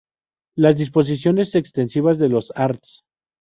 Las disposiciones extensivas de los arts.